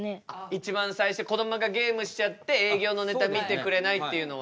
一番最初こどもがゲームしちゃって営業のネタ見てくれないっていうのは。